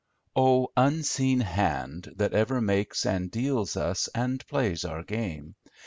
"O Unseen Hand that ever makes and deals us, And plays our game!